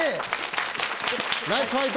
ナイスファイト！